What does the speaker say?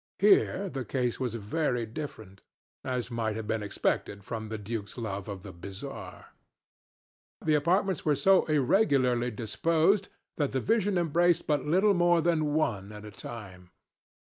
Here the case was very different; as might have been expected from the duke's love of the bizarre. The apartments were so irregularly disposed that the vision embraced but little more than one at a time.